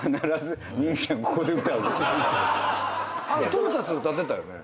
トータス歌ってたよね？